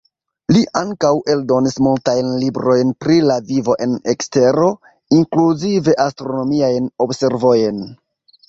Li ankaŭ eldonis multajn librojn pri la vivo en ekstero, inkluzive astronomiajn observojn.